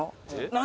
何？